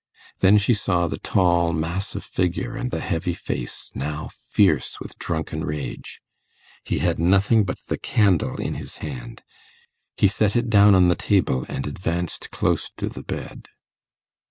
Then she saw the tall massive figure, and the heavy face, now fierce with drunken rage. He had nothing but the candle in his hand. He set it down on the table, and advanced close to the bed.